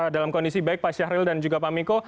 dalam kondisi baik pak syahril dan juga pak miko